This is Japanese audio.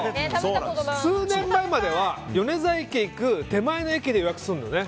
数年前までは米沢駅に行く手前の駅で予約するのよね。